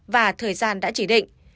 và thời gian đã chỉ định